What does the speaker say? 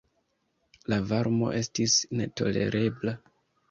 La varmo estis netolerebla.